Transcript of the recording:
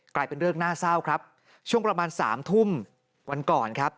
กลายเป็นเรื่องน่าเศร้าครับช่วงประมาณสามทุ่มวันก่อนครับ